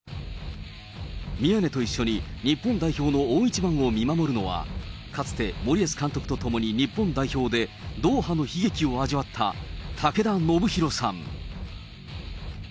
宮根と一緒に、日本代表を大一番を見守るのは、かつて森保監督と共に日本代表でドーハの悲劇を味わった武田修宏さん。